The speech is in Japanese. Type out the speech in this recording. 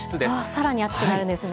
さらに暑くなるんですね。